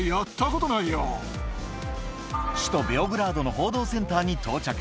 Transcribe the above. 首都ベオグラードの報道センターに到着